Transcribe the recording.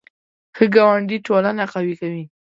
ښه ګاونډي ټولنه قوي کوي